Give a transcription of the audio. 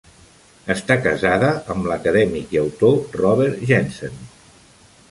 Està casada amb l'acadèmic i autor Robert Jensen.